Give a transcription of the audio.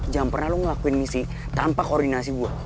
jangan pernah lo ngelakuin misi tanpa koordinasi gue